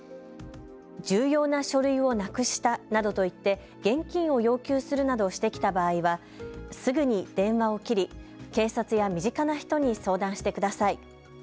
重要な書類をなくしたなどと言って、現金を要求するなどしてきた場合はすぐに電話を切り警察や身近な人に相談してください。